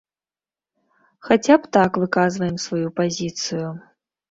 Хаця б так выказваем сваю пазіцыю.